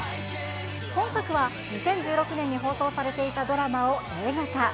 本作は２０１６年に放送されていたドラマを映画化。